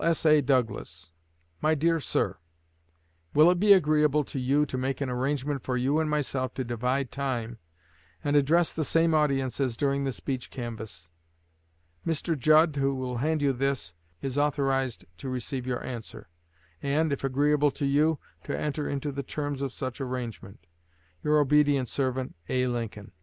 S.A. DOUGLAS My Dear Sir: Will it be agreeable to you to make an arrangement for you and myself to divide time, and address the same audiences during the present canvass? Mr. Judd, who will hand you this, is authorized to receive your answer, and, if agreeable to you, to enter into the terms of such arrangement. Your obedient servant, A. LINCOLN.